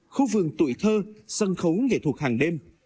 khu vườn tuổi thơ sân khấu nghệ thuật hàng đêm